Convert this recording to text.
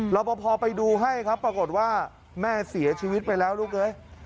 ปภไปดูให้ครับปรากฏว่าแม่เสียชีวิตไปแล้วลูกเอ้ย